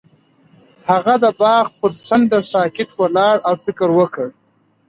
هغه د باغ پر څنډه ساکت ولاړ او فکر وکړ.